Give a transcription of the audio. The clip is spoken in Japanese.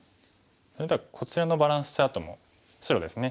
それではこちらのバランスチャートも白ですね。